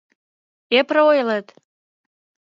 Эпре ойлет!..